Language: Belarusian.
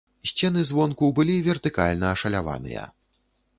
Сцены звонку былі вертыкальна ашаляваныя.